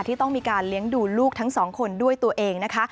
ที่ต้องมีการเลี้ยงดูลูกทั้งสองคนด้วยตัวเองนะคะ